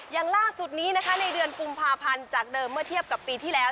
อย่างล่าสุดนี้นะคะในเดือนกุมภาพันธ์จากเดิมเมื่อเทียบกับปีที่แล้ว